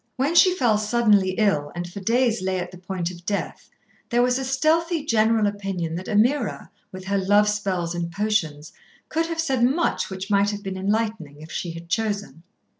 When she fell suddenly ill, and for days lay at the point of death, there was a stealthy general opinion that Ameerah, with her love spells and potions, could have said much which might have been enlightening, if she had chosen.